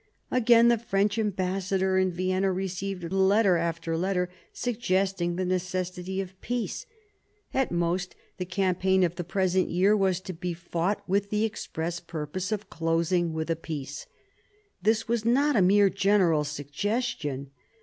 Again the French am bassador in Vienna received letter after letter suggesting the necessity of peace ; at most the campaign of the 1757 60 THE SEVEN YEARS' WAR 145 present year was to be fought with the express purpose of closing with a peace. This was not a mere general suggestion.